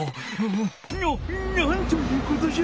なっなんということじゃ！